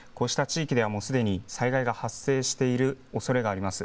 こうした地域ではもうすでに災害が発生しているおそれがあります。